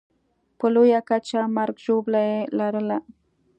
په لویه کچه مرګ ژوبله یې لرله.